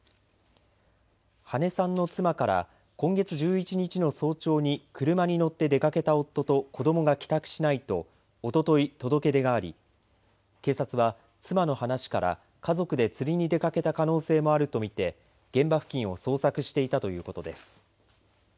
羽根さんの妻から今月１１日の早朝に車に乗って出かけた夫と子どもが帰宅しないとおととい、届け出があり警察は妻の話から家族で釣りに出かけた可能性もあるとみて現場付近を捜索していたということです。